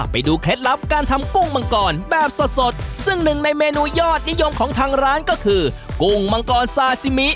เคล็ดลับการทำกุ้งมังกรแบบสดสดซึ่งหนึ่งในเมนูยอดนิยมของทางร้านก็คือกุ้งมังกรซาซิมิ